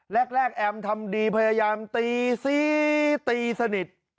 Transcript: แอมทำดีพยายามตีซีตีสนิท